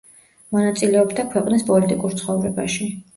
მონაწილეობდა ქვეყნის პოლიტიკურ ცხოვრებაში.